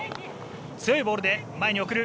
強いボールで前に送る。